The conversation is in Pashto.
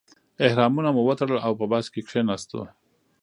احرامونه مو وتړل او په بس کې کیناستو.